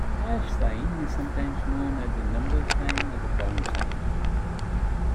The hash sign is sometimes known as the number sign or the pound sign